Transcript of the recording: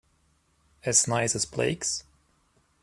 As nice as Blake's?